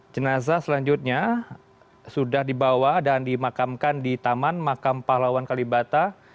jenazah selanjutnya sudah dibawa dan dimakamkan di taman makam pahlawan kalibata